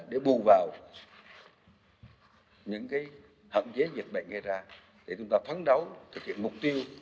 để bù vào những hạn chế dịch bệnh gây ra để chúng ta phán đấu thực hiện mục tiêu